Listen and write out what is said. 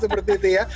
seperti itu ya